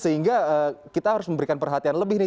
sehingga kita harus memberikan perhatian lebih nih